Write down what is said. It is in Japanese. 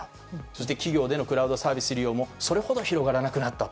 そして企業でのクラウドサービス利用もそれほど広がらなくなった。